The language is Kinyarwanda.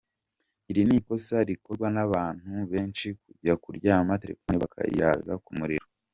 Iri ni ikosa rikorwa n’abantu benshi kujya kuryama telefoni bakayiraza ku muriro.